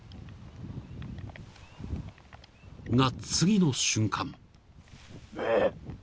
［が次の瞬間］